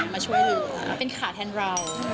มาช่วยดูแลเป็นขาแทนเรา